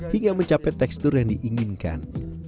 hingga mencapai tekstur yang diinginkan